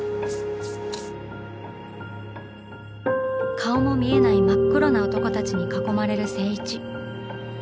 顔も見えない真っ黒な男たちに囲まれる静一。